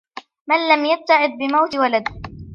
مَنْ لَمْ يَتَّعِظْ بِمَوْتِ وَلَدٍ